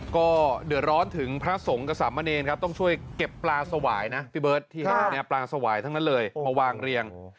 ก็เดือดร้อนถึงพระสงฆ์กับสามเณรครับต้องช่วยเก็บปลาสวายนะพี่เบิร์ตที่เห็นปลาสวายทั้งนั้นเลยมาวางเรียง